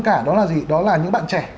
cả đó là gì đó là những bạn trẻ